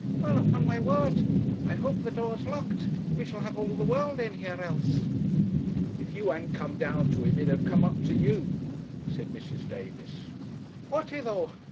'Well, upon my word, I hope the door's locked; we shall have all the world in here else.' 'If you hadn't come down to him, he'd have come up to you,' said Mrs. Davis. 'Would he though?'